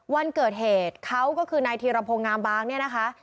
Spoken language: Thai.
วันเกิดเหตุเขาก็คือนายธีรพงศ์งามบางเนี่ยนะคะ